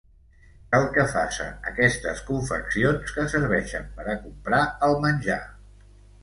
Cal que faça aquestes confeccions, que serveixen per a comprar el menjar...